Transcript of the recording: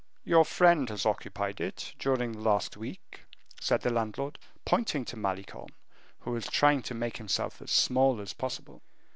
"Your friend has occupied it during the last week," said the landlord, pointing to Malicorne, who was trying to make himself as small as possible.